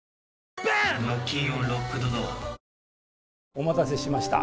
お待たせしました。